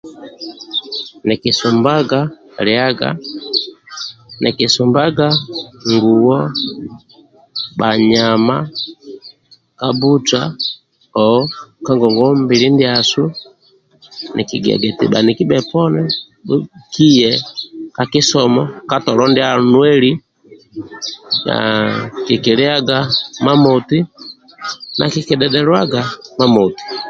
Nikiusumbaga liaga nikusumbaga ngoye bhanyama ka bbuca ka ngongwa mbili ngongwa mbili ndiasu nikigia eti bhaniki kiye ka kisomo ka tolo ndia nueli kikiliaga mamoti na kikidhedheluaga mamoti